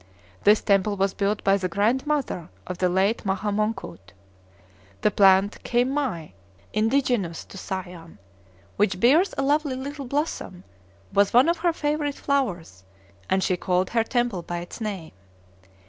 This temple was built by the grandmother of the late Maha Mongkut. The plant kheim mai (indigenous to Siam), which bears a lovely little blossom, was one of her favorite flowers, and she called her temple by its name.